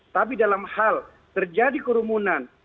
tapi dalam hal terjadi kerumunan